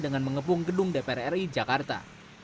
dengan mengepung gedung dpr ri jakarta